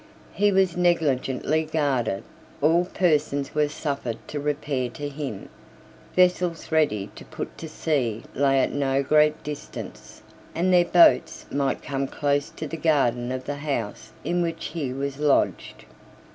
He was negligently guarded: all persons were suffered to repair to him: vessels ready to put to sea lay at no great distance; and their boats might come close to the garden of the house in which he was lodged.